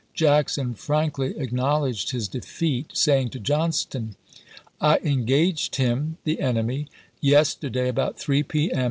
Jackson frankly acknowledged his defeat, saying to Johnston: I engaged him [the enemy] yesterday, about 3 p. m.